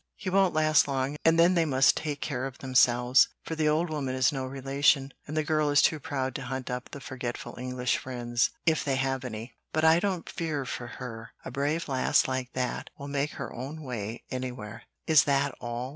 He won't last long, and then they must take care of themselves; for the old woman is no relation, and the girl is too proud to hunt up the forgetful English friends, if they have any. But I don't fear for her; a brave lass like that will make her own way anywhere." "Is that all?"